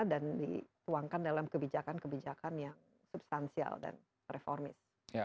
dituangkan dalam kebijakan kebijakan yang substansial dan reformis